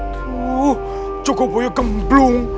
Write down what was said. tuh cukup boyo gemblung